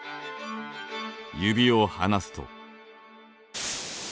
指を離すと。